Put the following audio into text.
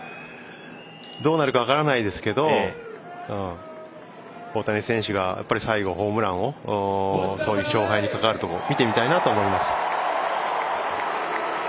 どうなるか分からないですけど大谷選手が、最後ホームランを勝敗に関わるところ見てみたいなと思います。